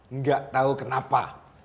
enggak tahu kenapa